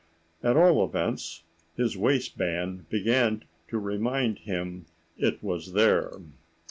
At all events, his waistband began to remind him it was there.